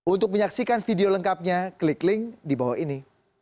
untuk menyaksikan video lengkapnya klik link di bawah ini